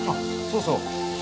そうそう。